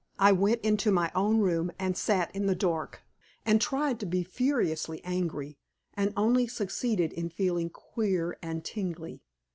I went into my own room and sat in the dark, and tried to be furiously angry, and only succeeded in feeling queer and tingly.